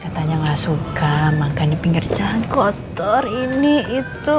katanya nggak suka makan di pinggir jalan kotor ini itu